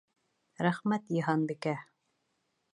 Рәхмәт, Йыһанбикә!